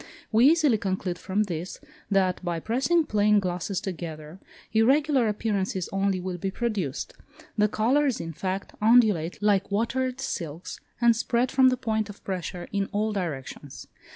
We easily conclude from this, that by pressing plane glasses together, irregular appearances only will be produced; the colours, in fact, undulate like watered silks, and spread from the point of pressure in all directions.